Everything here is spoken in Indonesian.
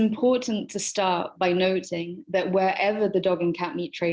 penting untuk mulai dengan mengingat bahwa di mana mana perjalanan daging anjing dan kucing terjadi